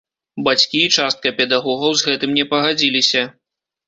Бацькі і частка педагогаў з гэтым не пагадзіліся.